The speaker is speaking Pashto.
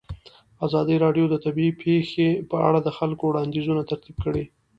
ازادي راډیو د طبیعي پېښې په اړه د خلکو وړاندیزونه ترتیب کړي.